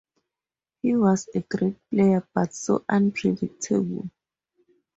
He was a great player, but so unpredictable.